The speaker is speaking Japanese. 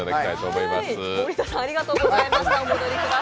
森田さんありがとうございました。